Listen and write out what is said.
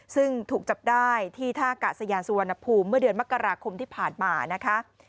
ซึ่งถูกจับได้ที่ท่ากาศยานสุวรรณภูมิเมื่อเดือนมกราคมที่ผ่านมานะคะ